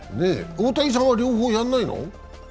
大谷さんは両方やらないの？